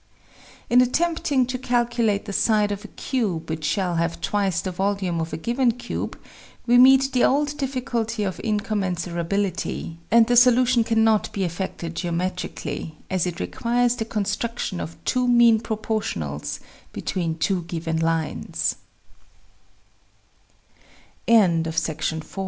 In attempting to calculate the side of a cube which shall have twice the volume of a given cube, we meet the old difficulty of incommensurability, and the solution cannot be effected geometrically, as it requires the construction of two mean proportionals betwe